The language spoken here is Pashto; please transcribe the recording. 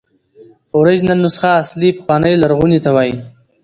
اوریجنل نسخه اصلي، پخوانۍ، لرغوني ته وایي.